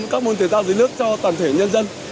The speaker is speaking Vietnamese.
các môn thể thao dưới nước cho toàn thể nhân dân